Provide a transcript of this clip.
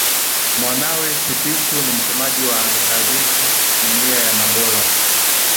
mwanawe sipisu ni msemaji wangalizi jumuiya ya madola